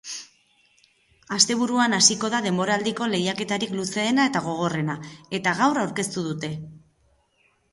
Asteburuan hasiko da denboraldiko lehiaketarik luzeena eta gogorrena, eta gaur aurkeztu dute.